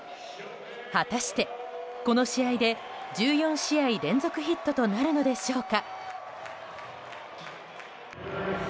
果たしてこの試合で１４試合連続ヒットとなるのでしょうか。